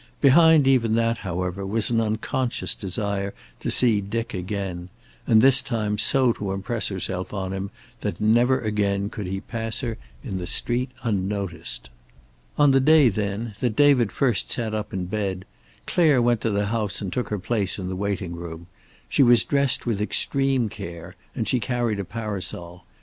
Behind even that, however, was an unconscious desire to see Dick again, and this time so to impress herself on him that never again could he pass her in the street unnoticed. On the day, then, that David first sat up in bed Clare went to the house and took her place in the waiting room. She was dressed with extreme care, and she carried a parasol.